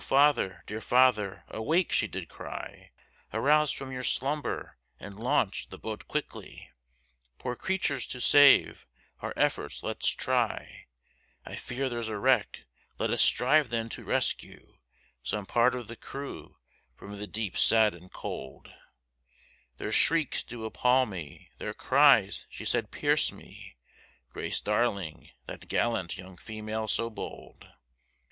father, dear father, awake she did cry, Arouse from your slumber and launch the boat quickly, Poor creatures to save, our efforts let's try, I fear there's a wreck, let us strive then to rescue Some part of the crew from the deep sad and cold, Their shrieks do appal me, their cries she said pierce me, Grace Darling that gallant young female so bold.